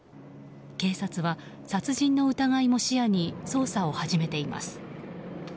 警察は、殺人の疑いも視野に捜査を始めています。